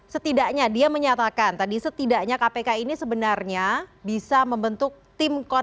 setidaknya dia menyatakan tadi setidaknya kpk ini sebenarnya bisa membentuk tim koneksi tim yang berada di dalam kota ini